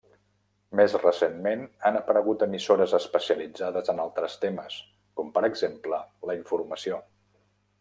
Més recentment han aparegut emissores especialitzades en altres temes, com per exemple la informació.